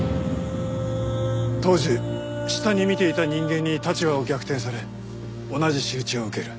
当時下に見ていた人間に立場を逆転され同じ仕打ちを受ける。